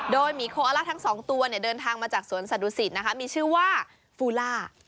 โดยหมีโคอล่าทั้งสองตัวเดินทางมาจากสวนสัตุศิษย์นะคะมีชื่อว่าฟูล่า